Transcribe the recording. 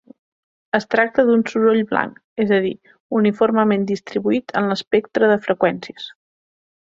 Es tracta d'un soroll blanc, és a dir, uniformement distribuït en l'espectre de freqüències.